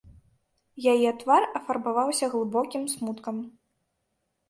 Яе твар афарбаваўся глыбокім смуткам.